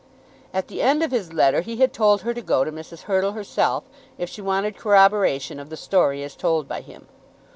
At the end of his letter he had told her to go to Mrs. Hurtle herself if she wanted corroboration of the story as told by him.